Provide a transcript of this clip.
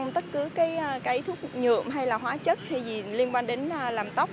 tất cứ cái thuốc nhuộm hay là hóa chất hay gì liên quan đến làm tóc